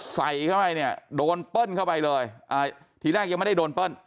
ใส่เข้าไปเนี่ยโดนเปิ้ลเข้าไปเลยอ่าทีแรกยังไม่ได้โดนเปิ้ล